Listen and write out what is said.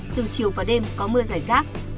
từ chiều và đêm có mưa rải rác